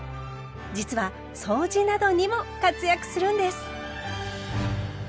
実は掃除などにも活躍するんです！